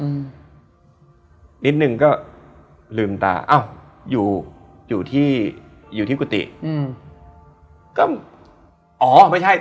อืมนิดหนึ่งก็ลืมตาอ้าวอยู่อยู่ที่อยู่ที่กุฏิอืมก็อ๋อไม่ใช่